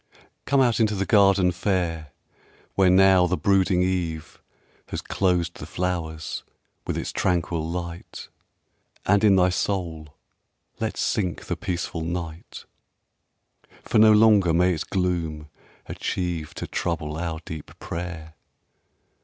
X Come out into the garden fair Where now the brooding eve Has closed the flowers with its tranquil light, And in thy soul let sink the peaceful night; For no longer may its gloom achieve To trouble our deep prayer.